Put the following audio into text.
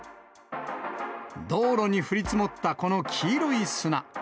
道路に降り積もった、この黄色い砂。